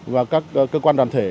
và các cơ quan đoàn thể